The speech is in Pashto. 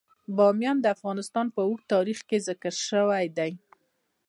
بامیان د افغانستان په اوږده تاریخ کې ذکر شوی دی.